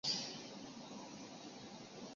三叶崖爬藤是葡萄科崖爬藤属的植物。